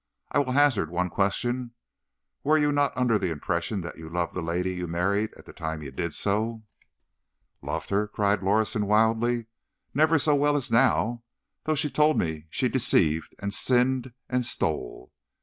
I will hazard one question: were you not under the impression that you loved the lady you married, at the time you did so;" "Loved her!" cried Lorison, wildly. "Never so well as now, though she told me she deceived and sinned and stole.